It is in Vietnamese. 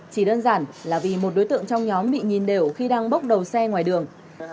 chỉ đơn giản là vì một đối tượng trong nhóm bị nhìn đều khi đang bốc đầu xe ngoài đường